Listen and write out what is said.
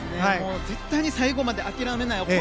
絶対に最後まで諦めない。